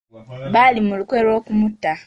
Baali mu lukwe lwa kumutta.